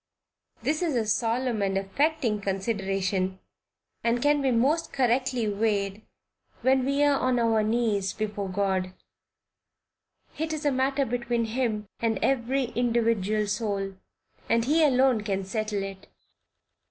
This is a solemn and affecting consideration, and can be most correctly weighed when we are on our knees before God; it is a matter between Him and every individual soul, and he alone can settle it.